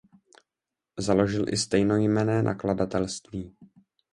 Založil i stejnojmenné nakladatelství.